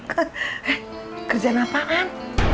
eh kerjaan apa mak